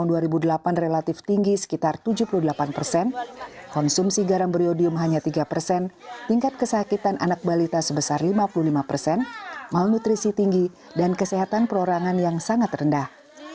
nggak pernah disuntik sumisasi nggak pernah